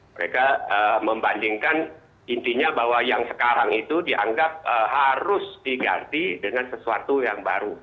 mereka membandingkan intinya bahwa yang sekarang itu dianggap harus diganti dengan sesuatu yang baru